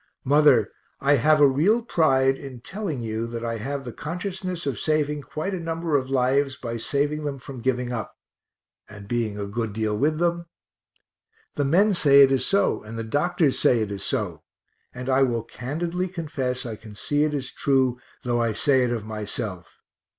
Mother, I have real pride in telling you that I have the consciousness of saving quite a number of lives by saving them from giving up and being a good deal with them; the men say it is so, and the doctors say it is so and I will candidly confess I can see it is true, though I say it of myself.